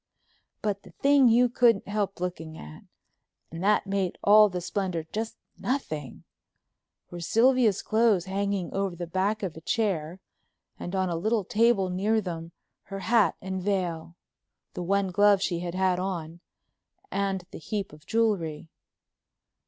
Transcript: But the thing you couldn't help looking at—and that made all the splendor just nothing—were Sylvia's clothes hanging over the back of a chair, and on a little table near them her hat and veil, the one glove she had had on, and the heap of jewelry.